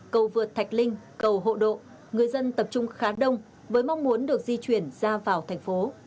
cầu vượt thạch linh cầu hộ độ người dân tập trung khá đông với mong muốn được di chuyển ra vào thành phố